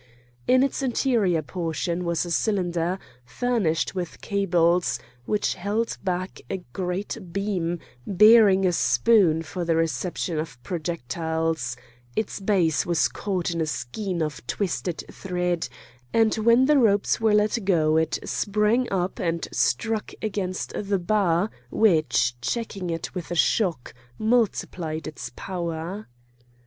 In its anterior portion was a cylinder, furnished with cables, which held back a great beam bearing a spoon for the reception of projectiles; its base was caught in a skein of twisted thread, and when the ropes were let go it sprang up and struck against the bar, which, checking it with a shock, multiplied its power.